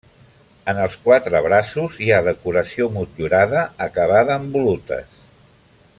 En els quatre braços hi ha decoració motllurada acabada en volutes.